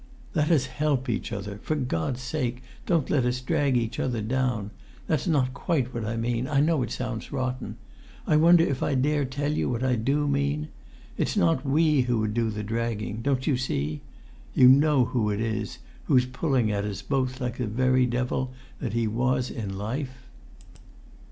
"Let us help each other; for God's sake don't let us drag each other down! That's not quite what I mean. I know it sounds rotten. I wonder if I dare tell you what I do mean? It's not we who would do the dragging, don't you see? You know who it is, who's pulling at us both like the very devil that he was in life!"